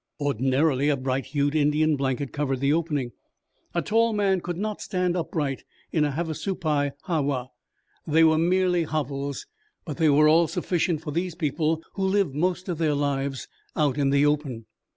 Ordinarily a bright, hued Indian blanket covered the opening. A tall man could not stand upright in a Havasupai ha wa. They were merely hovels, but they were all sufficient for these people, who lived most of their lives out in the open.